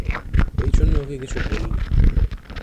এইজন্য ওকে কিছু বলিনা।